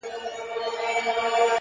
• یو ناڅاپه پر یو سیوري برابر سو,